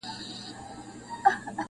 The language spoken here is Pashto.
• دا یو اختر به راته دوه اختره سینه,